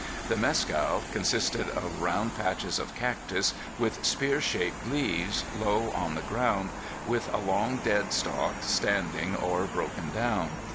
The mescal consisted of round patches of cactus with spear shaped leaves, low on the ground, with a long dead stalk standing or broken down.